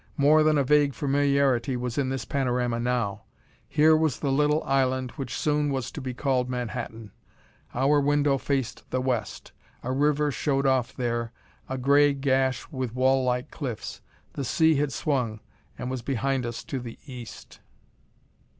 More than a vague familiarity was in this panorama now. Here was the little island which soon was to be called Manhattan. Our window faced the west. A river showed off there a gray gash with wall like cliffs. The sea had swung, and was behind us to the east.